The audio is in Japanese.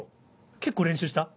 結構練習した？